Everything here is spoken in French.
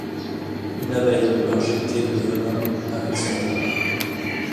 Une abeille peut injecter de venin avec son dard.